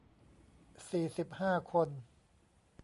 สี่สิบห้า คน